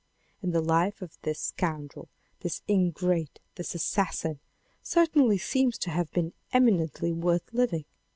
And the life of this scoundrel, this ingrate, this assassin, certainly seems to have been eminently worth living.